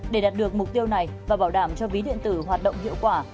để đạt được mục tiêu này và bảo đảm cho ví điện tử hoạt động hiệu quả